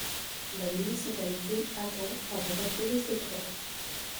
La municipalité attend avant d'approuver ce plan.